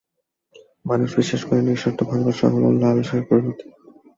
মানুষ বিশ্বাস করে, নিঃশর্ত ভালোবাসা হলো লালসার পরিণতি।